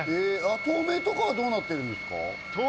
東名とかはどうなってるんですか？